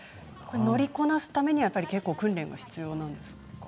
乗りこなすためには結構訓練が必要なんですか。